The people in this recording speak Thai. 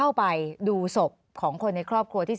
อันดับสุดท้ายแก่มือ